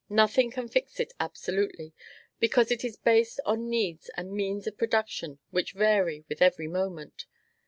Nothing can fix it absolutely, because it is based on needs and means of production which vary with every moment.